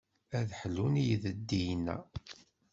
Ad ḥlun yideddiyen-a?